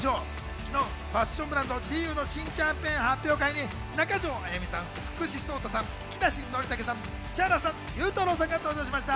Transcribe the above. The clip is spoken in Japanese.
昨日ファッションブランドＧＵの新キャンペーン発表会に中条あやみさん、福士蒼汰さん、木梨憲武さん、Ｃｈａｒａさん、ゆうたろうさんが登場しました。